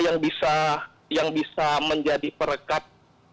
yang bisa menjadi perekat